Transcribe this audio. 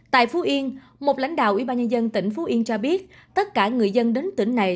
tại phú yên một lãnh đạo ubnd tỉnh phú yên cho biết tất cả người dân đến tỉnh này